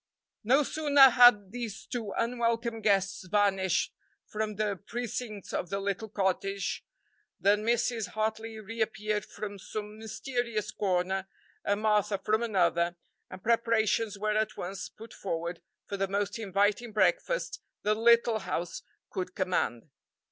No sooner had these two unwelcome guests vanished from the precincts of the little cottage than Mrs. Hartley reappeared from some mysterious corner and Martha from another, and preparations were at once put forward for the most inviting breakfast the little house could command.